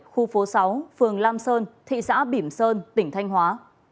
khu phố sáu phường lam sơn thị xã bỉm sơn tỉnh thanh hóa